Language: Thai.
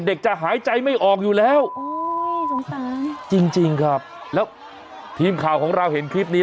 เด็กจะหายใจไม่ออกอยู่แล้วโอ้ยสงสารจริงครับแล้วทีมข่าวของเราเห็นคลิปนี้